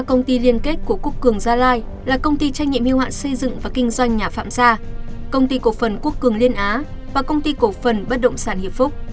công ty liên kết của quốc cường gia lai là công ty trách nhiệm hưu hạn xây dựng và kinh doanh nhà phạm gia công ty cổ phần quốc cường liên á và công ty cổ phần bất động sản hiệp phúc